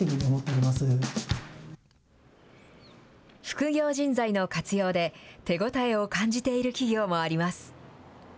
副業人材の活用で、手応えを感じている企業もあります。